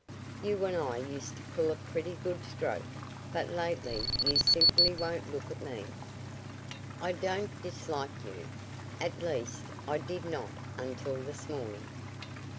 You and I used to pull a pretty good stroke, but lately you simply won't look at me." "I don't dislike you. At least, I did not until this morning."